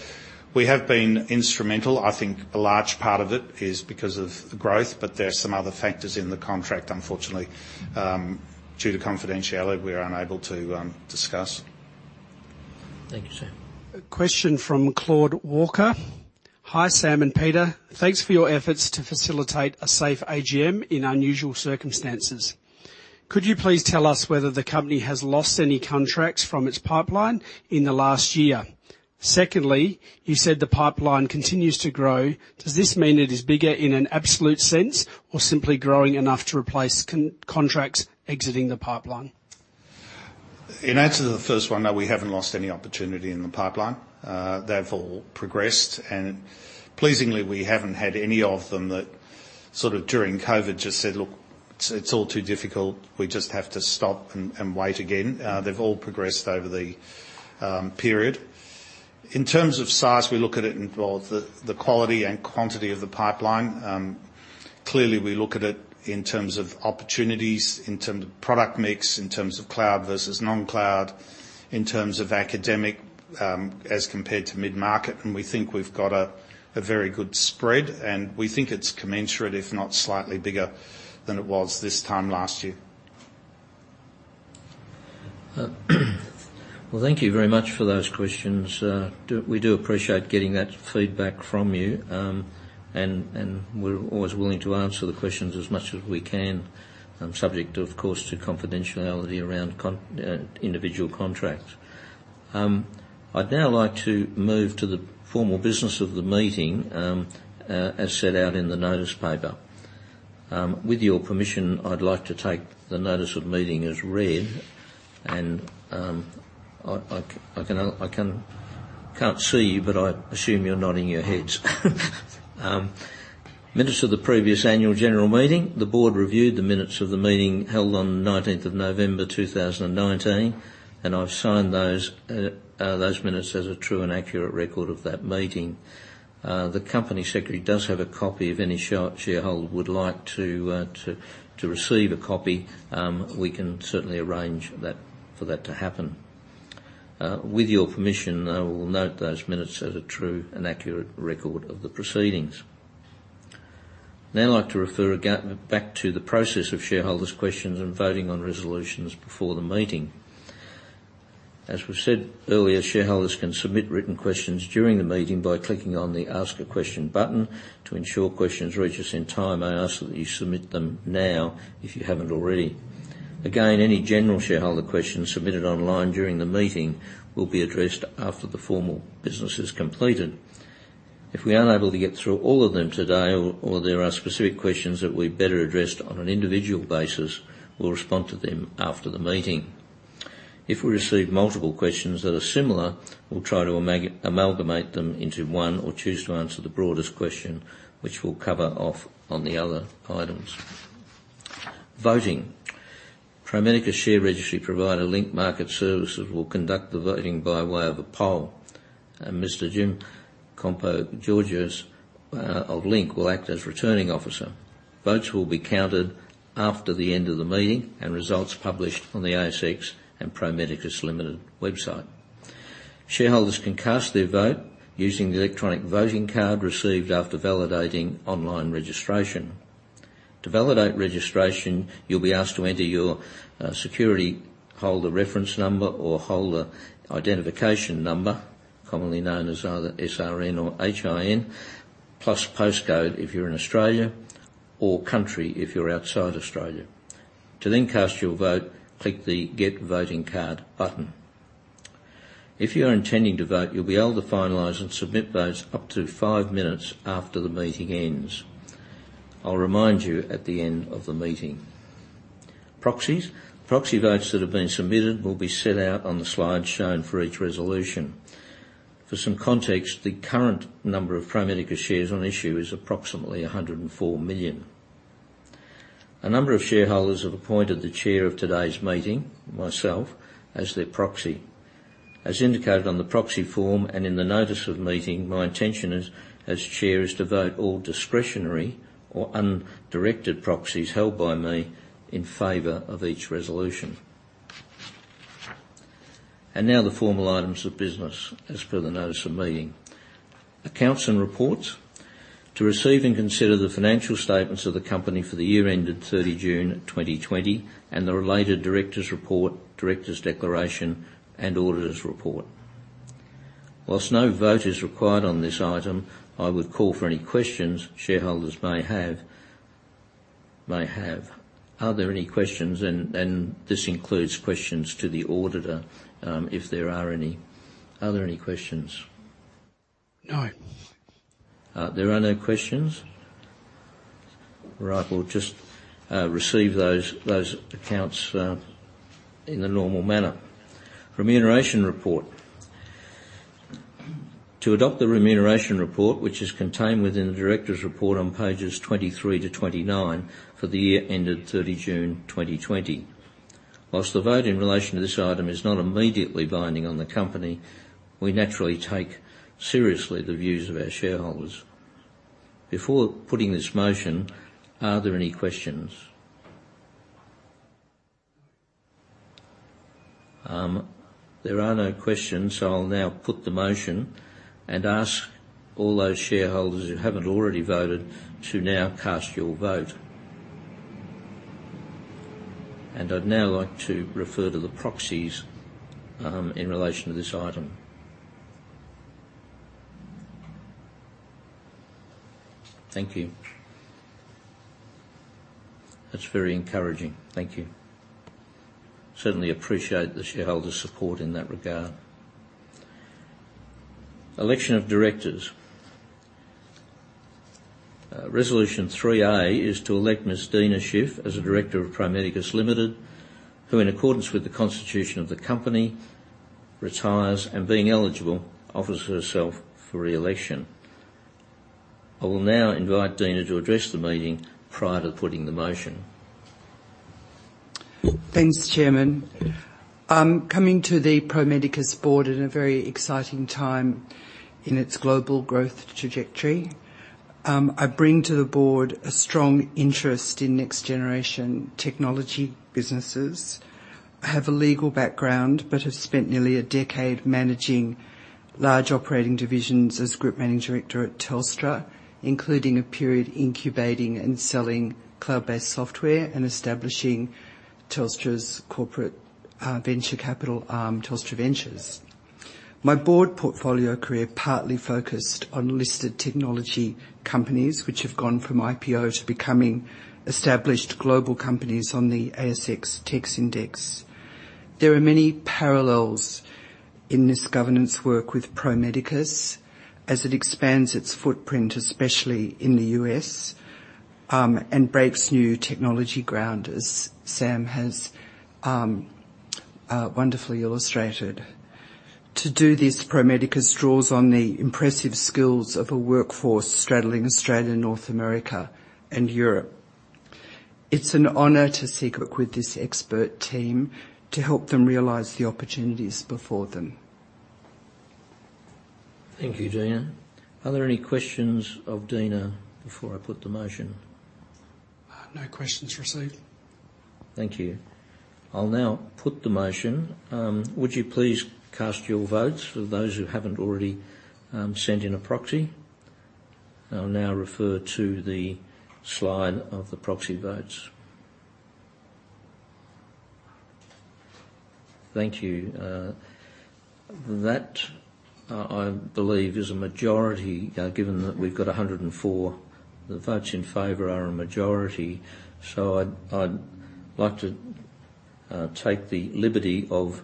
we have been instrumental. I think a large part of it is because of the growth, but there are some other factors in the contract, unfortunately, due to confidentiality, we are unable to discuss. Thank you, Sam. A question from Claude Walker: "Hi, Sam and Peter. Thanks for your efforts to facilitate a safe AGM in unusual circumstances. Could you please tell us whether the company has lost any contracts from its pipeline in the last year? Secondly, you said the pipeline continues to grow. Does this mean it is bigger in an absolute sense, or simply growing enough to replace contracts exiting the pipeline? In answer to the first one, no, we haven't lost any opportunity in the pipeline. They've all progressed, and pleasingly, we haven't had any of them that sort of during COVID-19 just said, "Look, it's all too difficult. We just have to stop and wait again." They've all progressed over the period. In terms of size, we look at it in both the quality and quantity of the pipeline. Clearly, we look at it in terms of opportunities, in terms of product mix, in terms of cloud versus non-cloud, in terms of academic, as compared to mid-market, and we think we've got a very good spread, and we think it's commensurate, if not slightly bigger than it was this time last year. Well, thank you very much for those questions. We do appreciate getting that feedback from you. And we're always willing to answer the questions as much as we can, subject, of course, to confidentiality around individual contracts. I'd now like to move to the formal business of the meeting, as set out in the notice paper. With your permission, I'd like to take the notice of the meeting as read, and I can't see you, but I assume you're nodding your heads. Minutes of the previous annual general meeting. The Board reviewed the minutes of the meeting held on the 19th of November, 2019, and I've signed those minutes as a true and accurate record of that meeting. The company secretary does have a copy if any shareholder would like to receive a copy. We can certainly arrange that, for that to happen. With your permission, I will note those minutes as a true and accurate record of the proceedings. Now I'd like to refer back to the process of shareholders' questions and voting on resolutions before the meeting. As we've said earlier, shareholders can submit written questions during the meeting by clicking on the 'Ask a Question' button. To ensure questions reach us in time, I ask that you submit them now if you haven't already. Again, any general shareholder questions submitted online during the meeting will be addressed after the formal business is completed. If we aren't able to get through all of them today, or, or there are specific questions that we better addressed on an individual basis, we'll respond to them after the meeting. If we receive multiple questions that are similar, we'll try to amalgamate them into one or choose to answer the broadest question, which will cover off on the other items. Voting. Pro Medicus share registry provider, Link Market Services, will conduct the voting by way of a poll, and Mr. Jim Kompogiorgas of Link will act as Returning Officer. Votes will be counted after the end of the meeting, and results published on the ASX and Pro Medicus Limited website. Shareholders can cast their vote using the electronic voting card received after validating online registration. To validate registration, you'll be asked to enter your security holder reference number or holder identification number, commonly known as either SRN or HIN, plus postcode if you're in Australia, or country, if you're outside Australia. To then cast your vote, click the 'Get Voting Card' button. If you are intending to vote, you'll be able to finalize and submit votes up to five minutes after the meeting ends. I'll remind you at the end of the meeting. Proxies. Proxy votes that have been submitted will be set out on the slide shown for each resolution. For some context, the current number of Pro Medicus shares on issue is approximately 104 million. A number of shareholders have appointed the chair of today's meeting, myself, as their proxy. As indicated on the proxy form and in the notice of the meeting, my intention as Chair is to vote all discretionary or undirected proxies held by me in favor of each resolution. Now the formal items of business, as per the notice of meeting. Accounts and Reports. To receive and consider the financial statements of the company for the year ended 30 June 2020, and the related Directors' Report, Directors' Declaration, and Auditors' Report. Whilst no vote is required on this item, I would call for any questions shareholders may have. Are there any questions? And this includes questions to the auditor, if there are any. Are there any questions? No. There are no questions? All right, we'll just receive those accounts in the normal manner. Remuneration Report. To adopt the remuneration report, which is contained within the Directors' Report on Pages 23-29 for the year ended 30 June, 2020. While the vote in relation to this item is not immediately binding on the company, we naturally take seriously the views of our shareholders. Before putting this motion, are there any questions? There are no questions, so I'll now put the motion and ask all those shareholders who haven't already voted to now cast your vote. I'd now like to refer to the proxies in relation to this item. Thank you. That's very encouraging. Thank you. Certainly appreciate the shareholders' support in that regard. Election of directors. Resolution 3a is to elect Ms. Deena Shiff as a Director of Pro Medicus Limited, who, in accordance with the constitution of the company, retires, and being eligible, offers herself for re-election. I will now invite Deena to address the meeting prior to putting the motion. Thanks, Chairman. I'm coming to the Pro Medicus Board at a very exciting time in its global growth trajectory. I bring to the Board a strong interest in next-generation technology businesses. I have a legal background, but have spent nearly a decade managing large operating divisions as Group Managing Director at Telstra, including a period incubating and selling cloud-based software and establishing Telstra's corporate venture capital arm, Telstra Ventures. My Board portfolio career partly focused on listed technology companies, which have gone from IPO to becoming established global companies on the ASX Tech Index. There are many parallels in this governance work with Pro Medicus, as it expands its footprint, especially in the U.S., and breaks new technology ground, as Sam has wonderfully illustrated. To do this, Pro Medicus draws on the impressive skills of a workforce straddling Australia, North America, and Europe. It's an honor to seek work with this expert team to help them realize the opportunities before them. Thank you, Deena. Are there any questions of Deena before I put the motion? No questions received. Thank you. I'll now put the motion. Would you please cast your votes for those who haven't already sent in a proxy? I'll now refer to the slide of the proxy votes. Thank you. That, I believe is a majority, given that we've got 104, the votes in favor are a majority. So I'd, I'd like to take the liberty of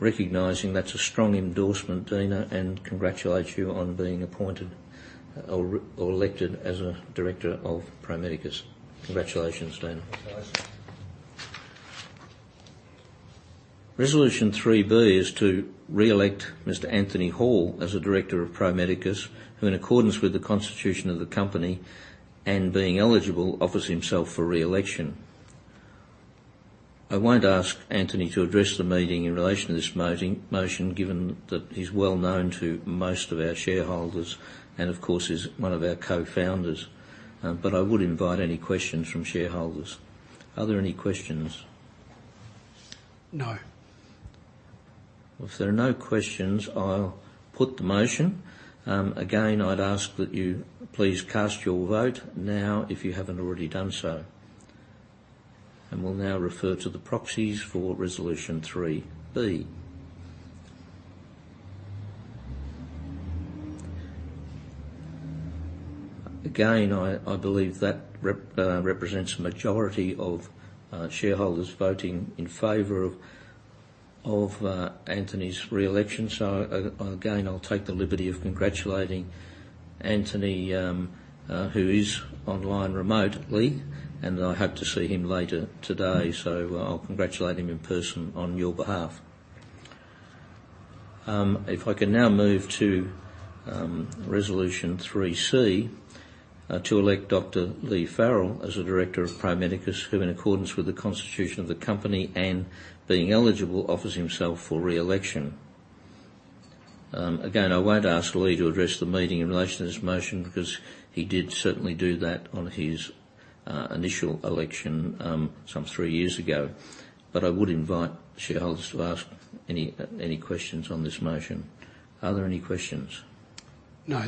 recognizing that's a strong endorsement, Deena, and congratulate you on being appointed or elected as a director of Pro Medicus. Congratulations, Deena. Resolution 3b is to re-elect Mr. Anthony Hall as a Director of Pro Medicus, who in accordance with the constitution of the company, and being eligible, offers himself for re-election. I won't ask Anthony to address the meeting in relation to this motion, given that he's well known to most of our shareholders, and of course, is one of our Co-Founders. But I would invite any questions from shareholders. Are there any questions? No. If there are no questions, I'll put the motion. Again, I'd ask that you please cast your vote now, if you haven't already done so. We'll now refer to the proxies for Resolution 3b. Again, I believe that rep represents a majority of shareholders voting in favor of Anthony's re-election. So, again, I'll take the liberty of congratulating Anthony, who is online remotely, and I hope to see him later today, so I'll congratulate him in person on your behalf. If I can now move to Resolution 3c, to elect Dr. Leigh Farrell as a Director of Pro Medicus, who in accordance with the constitution of the company, and being eligible, offers himself for re-election. Again, I won't ask Leigh to address the meeting in relation to this motion because he did certainly do that on his initial election some three years ago. But I would invite shareholders to ask any, any questions on this motion. Are there any questions? No.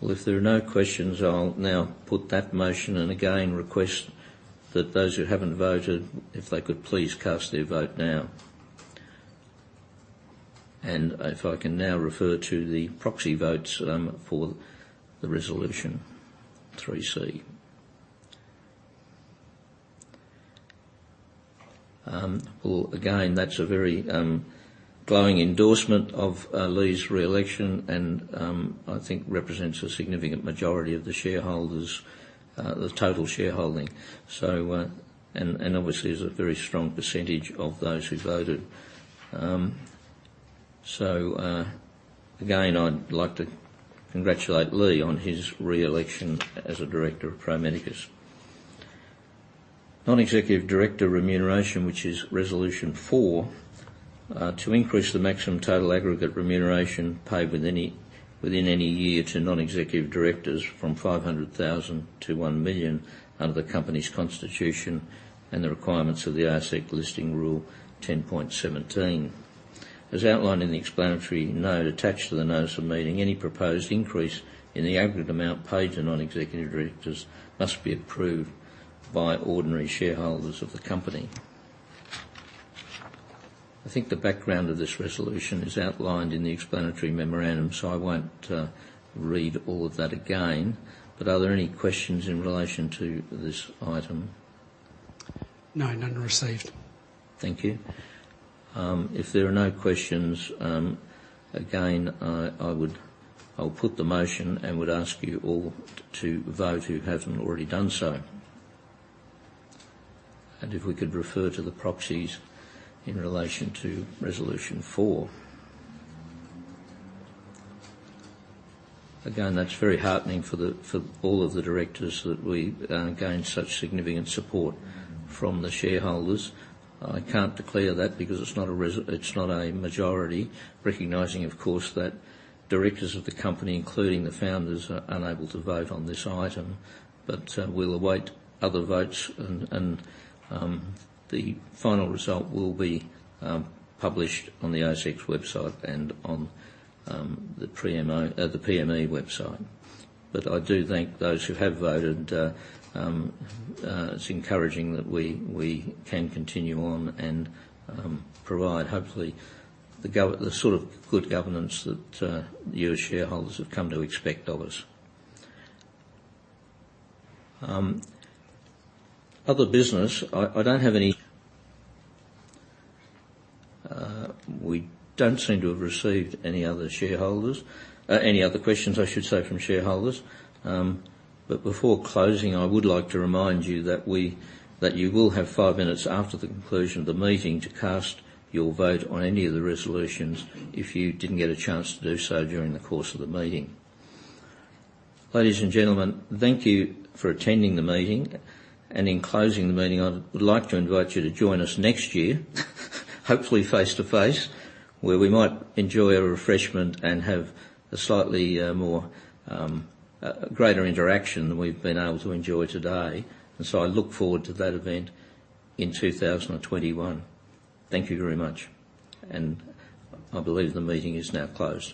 Well, if there are no questions, I'll now put that motion, and again, request that those who haven't voted, if they could please cast their vote now. And if I can now refer to the proxy votes for the Resolution 3c. Well, again, that's a very glowing endorsement of Leigh's re-election and I think represents a significant majority of the shareholders, the total shareholding. So, and obviously is a very strong percentage of those who voted. So, again, I'd like to congratulate Leigh on his re-election as a Director of Pro Medicus. Non-Executive Director Remuneration, which is Resolution 4, to increase the maximum total aggregate remuneration paid within any year to non-executive directors from 500,000-1 million under the company's constitution and the requirements of the ASX Listing Rule 10.17. As outlined in the explanatory note attached to the notice of meeting, any proposed increase in the aggregate amount paid to non-executive directors must be approved by ordinary shareholders of the company. I think the background of this resolution is outlined in the Explanatory Memorandum, so I won't read all of that again, but are there any questions in relation to this item? No, none received. Thank you. If there are no questions, again, I would-- I'll put the motion and would ask you all to vote who haven't already done so. If we could refer to the proxies in relation to Resolution 4. Again, that's very heartening for the, for all of the Directors, that we gain such significant support from the shareholders. I can't declare that because it's not a result-- it's not a majority, recognizing, of course, that Directors of the company, including the Founders, are unable to vote on this item. But we'll await other votes and the final result will be published on the ASX website and on the PNO, the PME website. But I do thank those who have voted. It's encouraging that we can continue on and provide, hopefully, the sort of good governance that you as shareholders have come to expect of us. Other business, I don't have any. We don't seem to have received any other questions, I should say, from shareholders. But before closing, I would like to remind you that you will have five minutes after the conclusion of the meeting to cast your vote on any of the resolutions, if you didn't get a chance to do so during the course of the meeting. Ladies and gentlemen, thank you for attending the meeting. In closing the meeting, I would like to invite you to join us next year, hopefully face-to-face, where we might enjoy a refreshment and have a slightly more greater interaction than we've been able to enjoy today. So I look forward to that event in 2021. Thank you very much, and I believe the meeting is now closed.